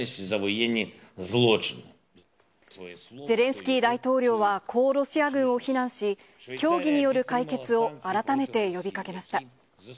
ゼレンスキー大統領は、こうロシア軍を非難し、協議による解決を改めて呼びかけました。